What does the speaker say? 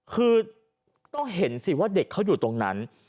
คือต้องเห็นสิว่าเด็กเขาอยู่ตรงนั้น